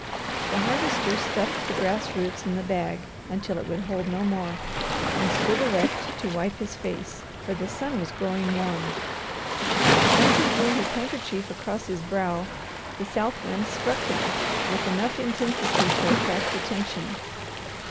The Harvester stuffed the grass roots in the bag until it would hold no more and stood erect to wipe his face, for the sun was growing warm. As he drew his handkerchief across his brow, the south wind struck him with enough intensity to attract attention.